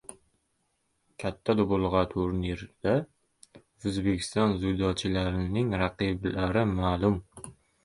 “Katta Dubulg‘a” turnirida O‘zbekiston dzyudochilarining raqiblari ma’lum